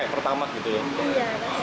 iya ini pertamax dari pertamax